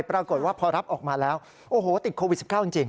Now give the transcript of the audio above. ปรากฏว่าพอรับออกมาแล้วโอ้โหติดโควิด๑๙จริง